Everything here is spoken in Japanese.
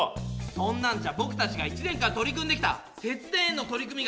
そんなんじゃぼくたちが１年間取り組んできた節電への取り組みがまったく伝わらないよ！